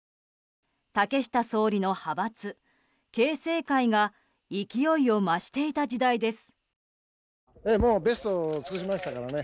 竹下総理の派閥、経世会が勢いを増していた時代です。